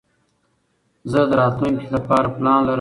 زه د راتلونکي له پاره پلان لرم.